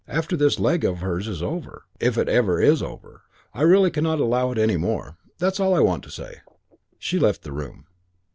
After this leg of hers is over, if it ever is over, I really cannot allow it any more. That's all I wanted to say." She left the room.